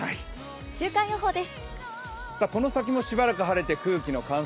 週間予報です。